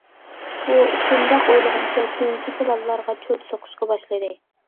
ئۇ شۇنداق ئويلىغىنىچە كېيىنكى پىلانلارغا چوت سوقۇشقا باشلىدى.